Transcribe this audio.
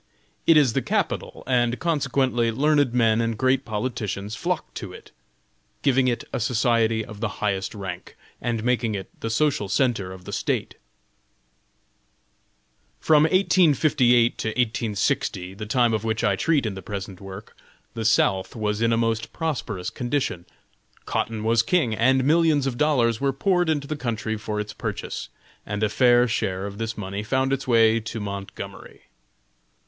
It is the capital, and consequently learned men and great politicians flock to it, giving it a society of the highest rank, and making it the social centre of the State. From 1858 to 1860, the time of which I treat in the present work, the South was in a most prosperous condition. "Cotton was king," and millions of dollars were poured into the country for its purchase, and a fair share of this money found its way to Montgomery.